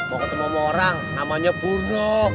mau ketemu orang namanya purno